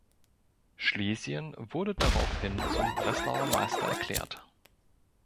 Schlesien wurde daraufhin zum Breslauer Meister erklärt.